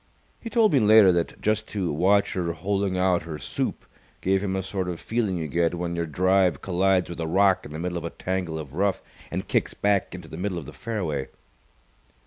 He told me later that just to watch her holing out her soup gave him a sort of feeling you get when your drive collides with a rock in the middle of a tangle of rough and kicks back into the middle of the fairway.